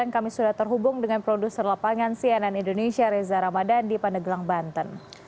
kami sudah terhubung dengan produser lapangan cnn indonesia reza ramadan di pandeglang banten